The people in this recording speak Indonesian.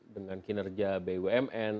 dengan kinerja bumn